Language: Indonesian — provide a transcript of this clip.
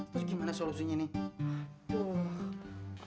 terus gimana solusinya nih